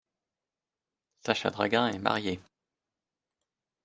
Saša Dragin est marié.